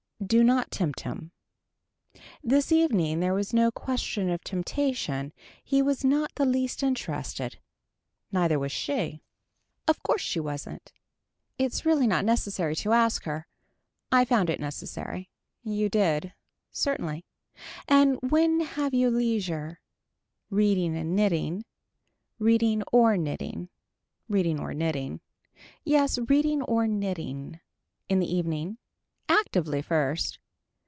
Do not tempt him. This evening there was no question of temptation he was not the least interested. Neither was she. Of course she wasn't. It's really not necessary to ask her. I found it necessary. You did Certainly. And when have you leisure. Reading and knitting. Reading or knitting. Reading or knitting. Yes reading or knitting. In the evening. Actively first.